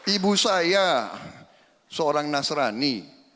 ibu saya seorang nasrani